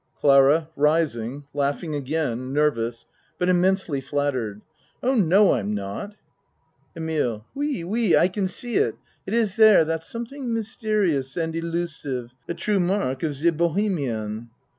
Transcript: CLARA (Rising, laughing again nervous but immensely flattered.) Oh, no, I'm not. EMILE Oui oui I can see it. It is there that something mysterious and illusive the true mark of ze bohemian.